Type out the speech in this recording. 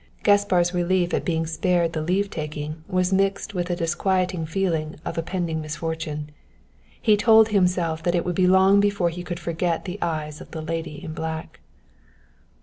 Gaspar's relief at being spared the leave taking was mixed with a disquieting feeling of a pending misfortune. He told himself that it would be long before he could forget the eyes of the lady in black.